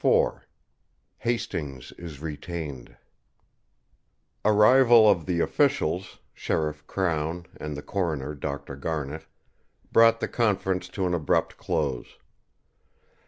IV HASTINGS IS RETAINED Arrival of the officials, Sheriff Crown and the coroner, Dr. Garnet, brought the conference to an abrupt close.